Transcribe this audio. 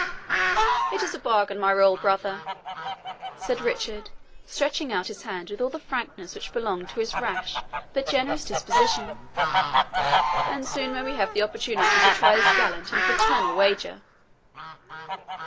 "It is a bargain, my royal brother," said Richard, stretching out his hand with all the frankness which belonged to his rash but generous disposition; "and soon may we have the opportunity to try this gallant and fraternal wager."